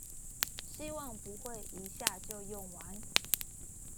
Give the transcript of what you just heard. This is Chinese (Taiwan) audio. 希望不會一下就用完